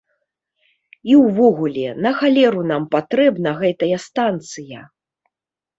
І ўвогуле, на халеру нам патрэбна гэтая станцыя?